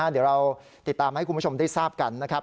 เดี๋ยวเราติดตามให้คุณผู้ชมได้ทราบกันนะครับ